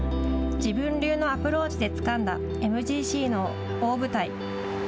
自分流のアプローチでつかんだＭＧＣの大舞台。